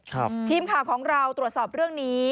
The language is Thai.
ทีมข่าวของเราตรวจสอบเรื่องนี้